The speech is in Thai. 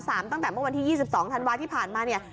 ตั้งแต่เมื่อวันที่๒๒ธันวาที่ผ่านมาเนี่ย